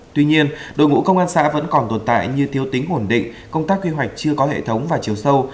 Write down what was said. tuy nhiên đội ngũ công an xã vẫn còn tồn tại như thiếu tính ổn định công tác quy hoạch chưa có hệ thống và chiều sâu